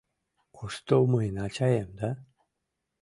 Кушто мыйын ачаем да?